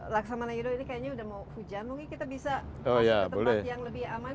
laksamana yudho ini kayaknya udah mau hujan mungkin kita bisa masuk ke tempat yang lebih aman